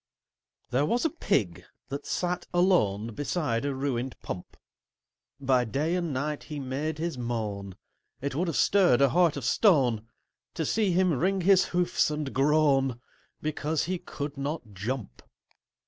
There was a Pig that sat alone Beside a ruined Pump: By day and night he made his moan— It would have stirred a heart of stone To see him wring his hoofs and groan, Because he could not jump.